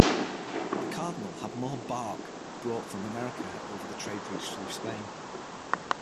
The cardinal had more bark brought from America over the trade routes through Spain.